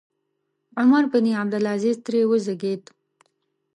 عمر بن عبدالعزیز ترې وزېږېد.